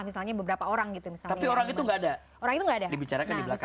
misalnya beberapa orang gitu tapi orang itu enggak ada orang itu enggak ada dibicarakan